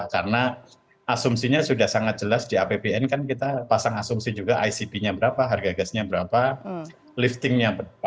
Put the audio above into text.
karena asumsinya sudah sangat jelas di apbn kan kita pasang asumsi juga icp nya berapa harga gasnya berapa liftingnya berapa